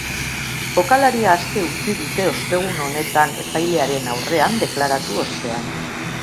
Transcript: Jokalaria aske utzi dute ostegun honetan epailearen aurrean deklaratu ostean.